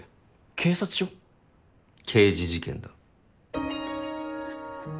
警察署？刑事事件だ。